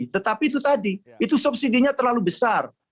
tetapi itu tadi itu subsidi nya terlalu besar